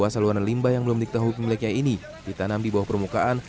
dua saluan limbah yang belum diketahui pemiliknya ini ditanam di bawah permukaan